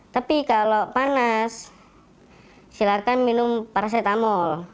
tapi kalau panas silakan minum paracetamol